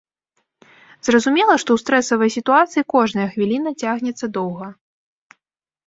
Зразумела, што ў стрэсавай сітуацыі кожная хвіліна цягнецца доўга.